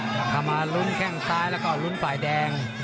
กลับมาลุ้นแข้งซ้ายแล้วก็ลุ้นฝ่ายแดง